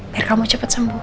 biar kamu cepet sembuh